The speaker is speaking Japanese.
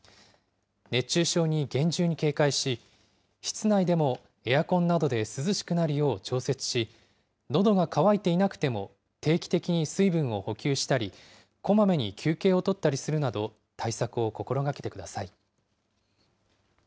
熱中症に厳重に警戒し、室内でもエアコンなどで涼しくなるよう調節し、のどが渇いていなくても定期的に水分を補給したり、こまめに休憩を取ったりするなど、対策を心がけてください。